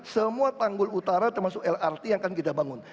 semua tanggul utara termasuk lrt yang akan kita bangun